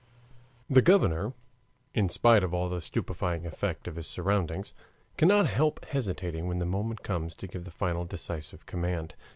The governor, in spite of all the stupefying effect of his surroundings, cannot help hesitating when the moment comes to give final decisive command.